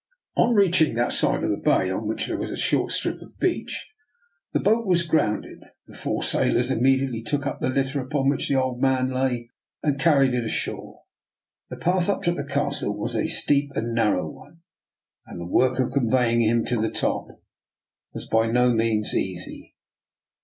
On reaching that side of the bay on which there was a short strip of beach, the boat was grounded. The four sailors immediately took up the litter upon which the old man lay? and carried it ashore. The path up to the 156 DR. NIKOLA'S EXPERIMENT. castle was a steep and narrow one, and the work of conveying him to the top was by no means easy.